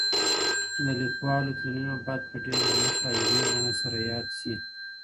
د لیکوالو تلینونه باید په ډېر درنښت او علمي بڼه سره یاد شي.